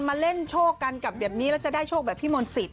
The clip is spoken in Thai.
มาเล่นโชคกันกับเดี๋ยวนี้แล้วจะได้โชคแบบพี่มนต์สิทธ